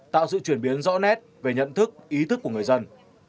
tạo sự chuyển biến rõ nét về nhận thức ý thức của người dân